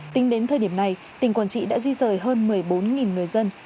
tính đến thời điểm này tỉnh quảng trị đã di rời hơn một mươi bốn người dân